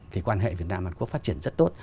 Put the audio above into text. thì quan hệ việt nam hàn quốc phát triển rất tốt